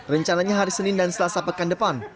rencananya hari senin dan selasa pekan depan